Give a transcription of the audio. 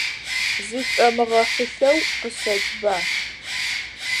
Зышӏомыгъэхьылъэу, къысэтба.